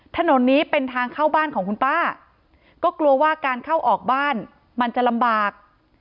ถนนนี้เป็นทางเข้าบ้านของคุณป้าก็กลัวว่าการเข้าออกบ้านมันจะลำบาก